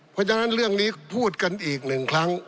เพราะฉะนั้นเรื่องนี้พูดกันอีกหนึ่งครั้ง